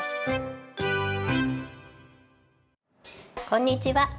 こんにちは。